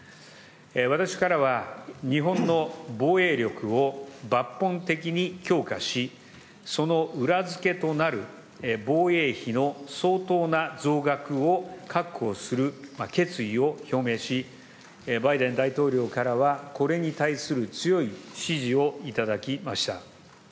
私からは日本の防衛力を抜本的に強化し、その裏付けとなる防衛費の相当な増額を確保する決意を表明し、バイデン大統領からは、これに対する強い支持を頂きました。